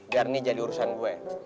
biar ini jadi urusan gue